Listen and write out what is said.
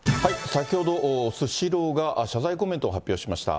先ほど、スシローが謝罪コメントを発表しました。